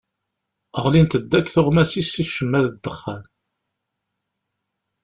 Ɣlint-d akk tuɣmas-is si ccemma akked ddexxan.